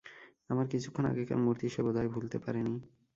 আমার কিছুক্ষণ আগেকার মূর্তি সে বোধহয় ভুলতে পারেনি।